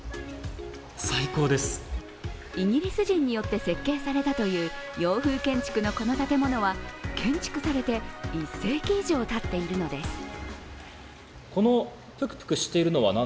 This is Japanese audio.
イギリス人によって設計されたという洋風建築のこの建物は建築されて１世紀以上、たっているのです。